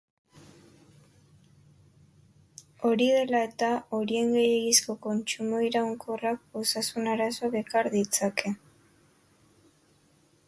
Hori dela eta, horien gehiegizko kontsumo iraunkorrak osasun-arazoak ekar ditzake.